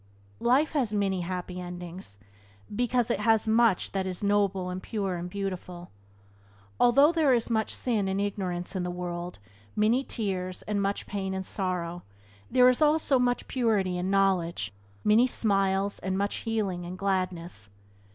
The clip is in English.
IFE has many happy endings, because it has much that is noble and pure and beautiful. Although there is much sin and ignorance in the world, many tears, and much pain and sorrow, there is also much purity and knowledge, many smiles, and much healing and gladness.